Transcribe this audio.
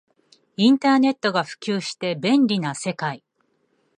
インターネットが普及して便利な世界